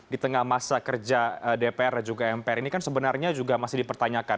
di tengah masa kerja dpr dan juga mpr ini kan sebenarnya juga masih dipertanyakan